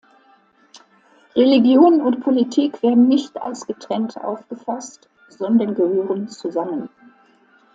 Religion und Politik werden nicht als getrennt aufgefasst, sondern gehören zusammen.